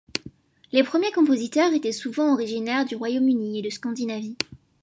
Les premiers compositeurs étaient souvent originaires du Royaume-Uni et de Scandinavie.